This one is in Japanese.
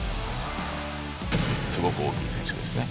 すごく大きい選手ですね。